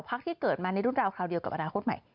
ที่เกิดมาในรุ่นราวคราวเดียวกับอนาคตใหม่